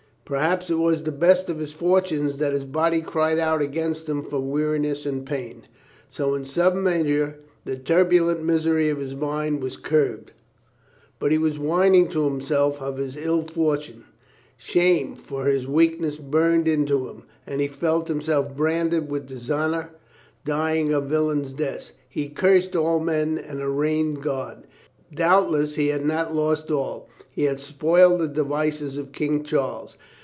Per haps it was the best of his fortune that his body cried out against him for weariness and pain. So in some measure the turbulent misery of his mind was curbed. But he was whining to himself of his ill fortune; shame for his weakness burned into him, and he felt himself branded with dishonor, dying a villain's death. He cursed all men and arraigned God. Doubtless he had not lost all. He had spoiled the devices of King Charles.